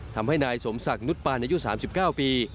ทำให้นายสมศักดิ์นุษย์ป่านในยุคสามสิบเก้าปี